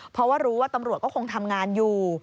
เพราะว่ารู้ว่าตำรวจก็คงทำงานอยู่